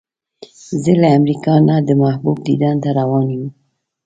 زه له امریکا نه د محبوب دیدن ته روان یو.